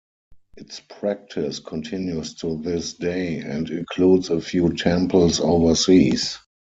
Its practice continues to this day, and includes a few temples overseas.